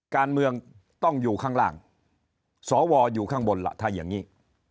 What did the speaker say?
การเมืองต้องอยู่ข้างล่างสวอยู่ข้างบนล่ะถ้าอย่างนี้